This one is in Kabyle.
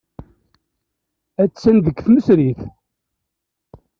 Attan deg tmesrit.